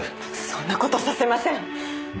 そんな事させません！